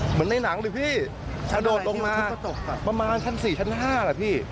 เหมือนในหนังเลยพี่กระโดดลงมาประมาณชั้น๔ชั้น๕แหละพี่